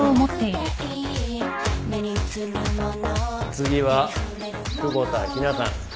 次は久保田陽菜さん。